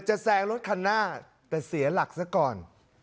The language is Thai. แซงรถคันหน้าแต่เสียหลักซะก่อน